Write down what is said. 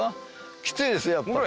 きついですよやっぱり。